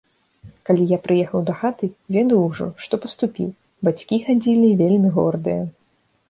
Калі я прыехаў дахаты, ведаў ужо, што паступіў, бацькі хадзілі вельмі гордыя.